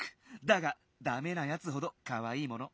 だがだめなやつほどかわいいもの。